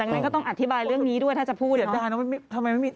แต่อย่างไรก็ต้องอธิบายเรื่องนี้ด้วยถ้าจะพูดจริงนะะพี่ซีระนรท์